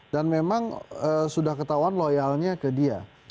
dan memang sudah ketahuan loyalnya ke dia